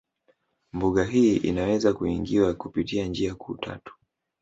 Mbuga hii inaweza kuingiwa kupitia njia kuu tatu